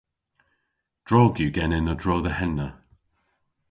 Drog yw genen a-dro dhe henna.